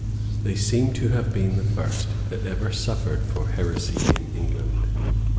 They seem to have been the first that ever suffered for heresy in England.